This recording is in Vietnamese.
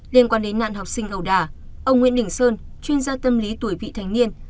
liên quan đến nạn học sinh ẩu đà ông nguyễn đình sơn chuyên gia tâm lý tuổi vị thành niên